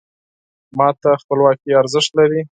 ما ته خپلواکي ارزښت لري .